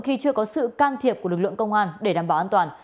khi chưa có sự can thiệp của lực lượng công an để đảm bảo an toàn